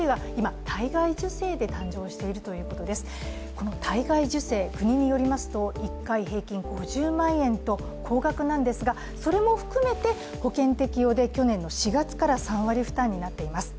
この体外受精、国によりますと１回平均５０万円と高額なんですが、それも含めて保険適用で去年の４月から３割負担になっています。